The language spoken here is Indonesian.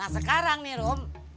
sekarang nih rom